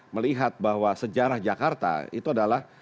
melihat bahwa sejarah jakarta itu adalah